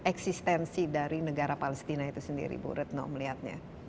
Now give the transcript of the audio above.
eksistensi dari negara palestina itu sendiri bo redno melihatnya